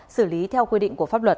xử lý theo quy định của pháp luật